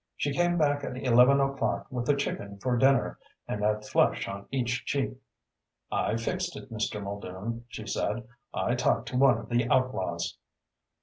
She came back at eleven o'clock with a chicken for dinner and a flush on each cheek. "I've fixed it, Mr. Muldoon," she said. "I talked to one of the outlaws!"